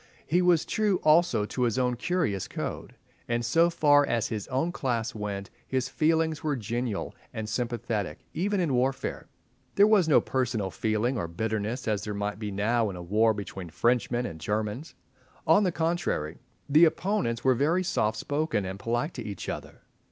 He was true also to his own curious code, and, so far as his own class went, his feelings were genial and sympathetic, even in warfare. There was no personal feeling or bitterness as there might be now in a war between Frenchmen and Germans. On the contrary, the opponents were very softspoken and polite to each other.